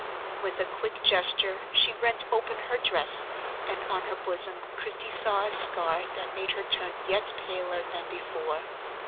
With a quick gesture she rent open her dress, and on her bosom Christie saw a scar that made her turn yet paler than before.